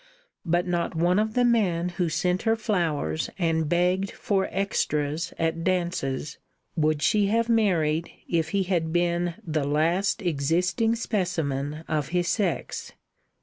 But not one of the men who sent her flowers and begged for "extras" at dances would she have married if he had been the last existing specimen of his sex.